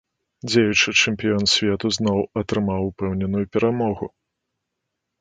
Дзеючы чэмпіён свету зноў атрымаў упэўненую перамогу.